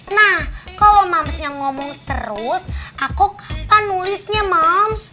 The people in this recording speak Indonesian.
nah kalau mamsnya ngomong terus aku kapan nulisnya mams